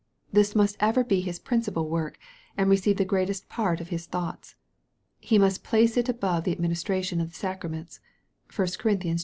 This must ever be his principal work, and receive the greatest part of his thoughts. He must place it above the administration of the sacraments. (1 Cor. i. 17.)